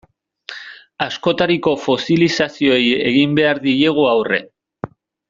Askotariko fosilizazioei egin behar diegu aurre.